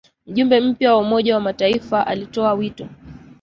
Mjumbe mpya wa Umoja wa mataifa alitoa wito